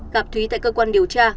gặp thúy tại cơ quan điều tra